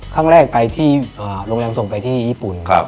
ครั้งแรกไปที่โรงแรมส่งไปที่ญี่ปุ่น